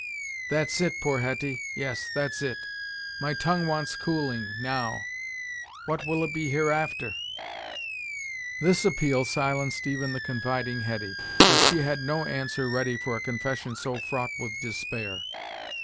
"That's it, poor Hetty; yes, that's it. My tongue wants cooling, now what will it be hereafter?" This appeal silenced even the confiding Hetty, for she had no answer ready for a confession so fraught with despair.